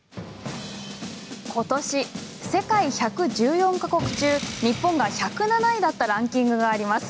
ことし、世界１１４か国中日本が１０７位だったランキングがあります。